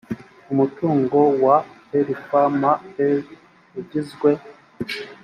umutungo wa rfma ugizwe